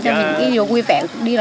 cho mình những điều vui vẻ